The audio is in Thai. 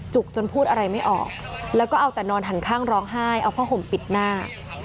จนพูดอะไรไม่ออกแล้วก็เอาแต่นอนหันข้างร้องไห้เอาผ้าห่มปิดหน้า